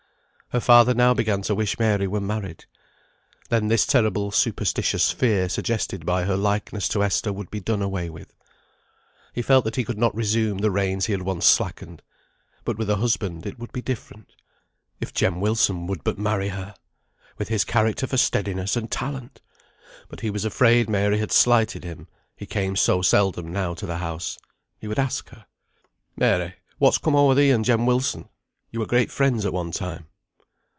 Her father now began to wish Mary were married. Then this terrible superstitious fear suggested by her likeness to Esther would be done away with. He felt that he could not resume the reins he had once slackened. But with a husband it would be different. If Jem Wilson would but marry her! With his character for steadiness and talent! But he was afraid Mary had slighted him, he came so seldom now to the house. He would ask her. "Mary, what's come o'er thee and Jem Wilson? Yo were great friends at one time."